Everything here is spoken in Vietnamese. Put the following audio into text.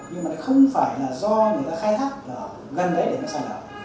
nhưng mà nó không phải là do người ta khai thác gần đấy để nó xảy ra